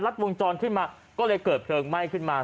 ดวงจรขึ้นมาก็เลยเกิดเพลิงไหม้ขึ้นมา